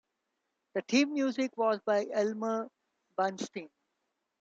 The theme music was by Elmer Bernstein.